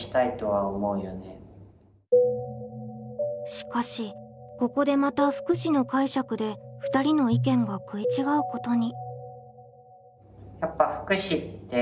しかしここでまた「福祉」の解釈で２人の意見が食い違うことに。